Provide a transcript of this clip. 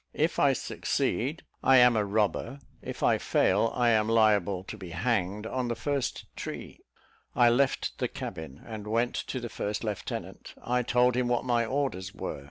If I succeed, I am a robber; if I fail, I am liable to be hanged on the first tree." I left the cabin, and went to the first lieutenant. I told him what my orders were.